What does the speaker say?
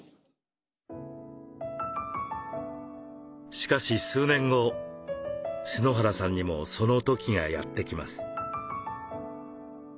しかし数年後春原さんにもその時がやって来ます。